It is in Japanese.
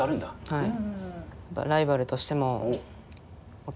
はい。